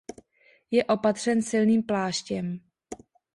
Je opatřen silným pláštěm.